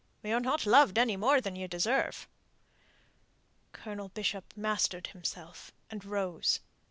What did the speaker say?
You're not loved any more than you deserve." Colonel Bishop mastered himself, and rose.